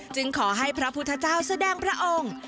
ขอให้พระพุทธเจ้าแสดงพระองค์